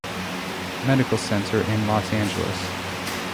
Medical Center in Los Angeles.